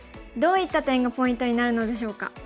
どういった点がポイントになるのでしょうか。